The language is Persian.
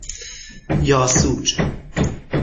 یاسوج